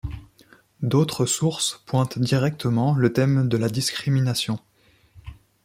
D'autres sources pointent directement le thème de la discrimination.